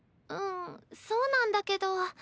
うんそうなんだけど。